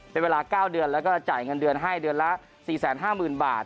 เป็นเวลา๙เดือนแล้วก็จ่ายเงินเดือนให้เดือนละ๔๕๐๐๐บาท